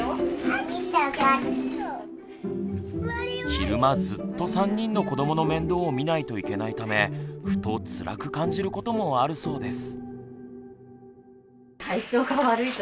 昼間ずっと３人の子どもの面倒を見ないといけないためふとつらく感じることもあるそうです。